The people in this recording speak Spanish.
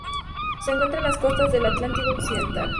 Se encuentra en las costas del Atlántico Occidental.